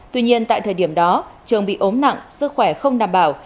tuy nhiên tại thời điểm đó trường bị ốm nặng sức khỏe không đảm bảo